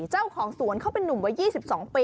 เจ้าของสวนเขาเป็นนุ่มวัย๒๒ปี